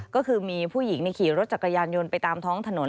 ก็คือมีผู้หญิงขี่รถจักรยานยนต์ไปตามท้องถนน